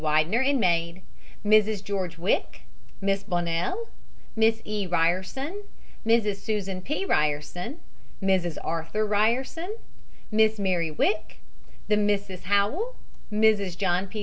Widener and maid, Mrs. George Wick, Miss Bonnell, Miss E. Ryerson, Mrs. Susan P. Ryerson, Mrs. Arthur Ryerson, Miss Mary Wick, the Misses Howell, Mrs. John P.